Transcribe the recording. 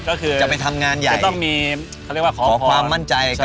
ก็คือจะไปทำงานใหญ่